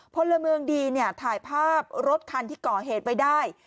พลเมืองดีเนี่ยถ่ายภาพรถคันที่ก่อเหตุไว้ได้